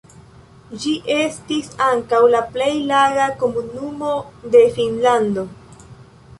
Ĝi estis ankaŭ la plej laga komunumo de Finnlando.